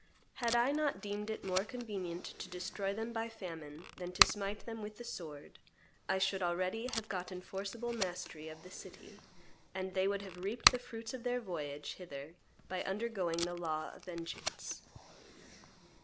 Had I not deemed it more convenient to destroy them by famine than to smite them with the sword, I should already have gotten forcible mastery of the city, and they would have reaped the fruits of their voyage hither by undergoing the law of vengeance."